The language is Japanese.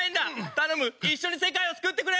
頼む一緒に世界を救ってくれ！